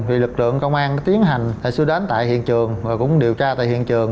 thì lực lượng công an tiến hành sư đến tại hiện trường và cũng điều tra tại hiện trường